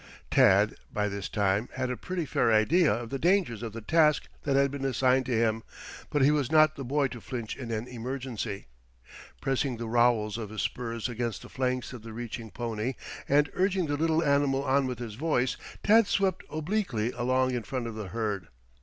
Tad, by this time, had a pretty fair idea of the danger of the task that had been assigned to him. But he was not the boy to flinch in an emergency. Pressing the rowels of his spurs against the flanks of the reaching pony and urging the little animal on with his voice, Tad swept obliquely along in front of the herd.